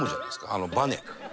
あのバネ。